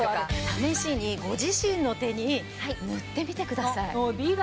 試しにご自身の手に塗ってみてください。